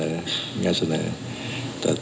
แต่เจ้าตัวก็ไม่ได้รับในส่วนนั้นหรอกนะครับ